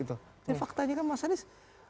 ini faktanya kan mas anies